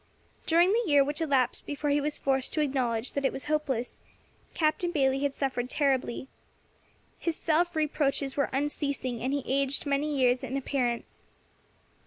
During the year which elapsed before he was forced to acknowledge that it was hopeless, Captain Bayley had suffered terribly. His self reproaches were unceasing, and he aged many years in appearance.